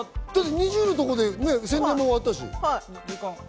ＮｉｚｉＵのところで宣伝も終わったし。